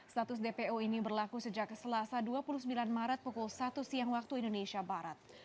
status dpo ini berlaku sejak selasa dua puluh sembilan maret pukul satu siang waktu indonesia barat